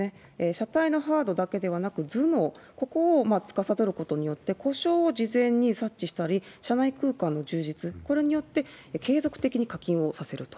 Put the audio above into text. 車体のハードだけではなく頭脳、ここをつかさどることによって、故障を事前に察知したり、車内空間の充実、これによって継続的に課金をさせると。